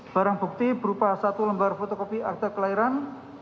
barang bukti berupa satu lembar fotokopi akta kelahiran